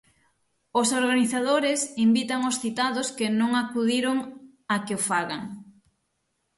Os organizadores invitan os citados que non acudiron a que o fagan.